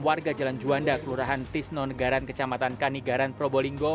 warga jalan juanda kelurahan tisno negaran kecamatan kanigaran probolinggo